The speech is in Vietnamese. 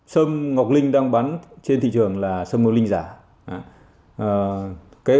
chín mươi chín năm sâm ngọc linh đang bán trên thị trường là sâm ngọc linh giả